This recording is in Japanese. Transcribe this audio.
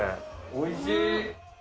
おいしい！